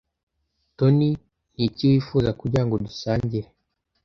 Toni , niki wifuza kugira ngo dusangire?